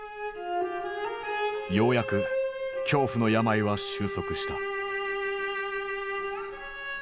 ようやく恐怖の病は終息した。